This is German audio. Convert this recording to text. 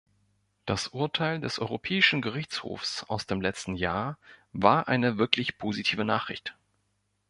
Das Urteil des Europäischen Gerichtshofs aus dem letzten Jahr war eine wirklich positive Nachricht.